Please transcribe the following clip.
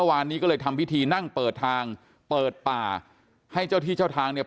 วันนี้ก็เลยทำพิธีนั่งเปิดทางเปิดป่าให้เจ้าที่เจ้าทางเนี่ย